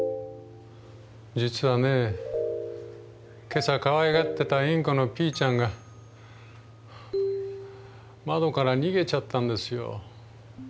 実はね今朝かわいがってたインコのピーちゃんが窓から逃げちゃったんですよ。